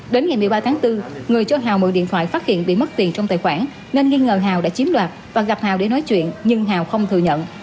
đến ngày một mươi ba tháng bốn người cho hào mượn điện thoại phát hiện bị mất tiền trong tài khoản nên nghi ngờ hào đã chiếm đoạt và gặp hào để nói chuyện nhưng hào không thừa nhận